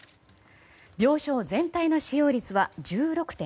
病床全体の使用率は１６．６％